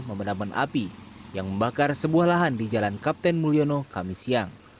memadamkan api yang membakar sebuah lahan di jalan kapten mulyono kamisiyang